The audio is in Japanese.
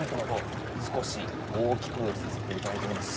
少し大きくさせていただいております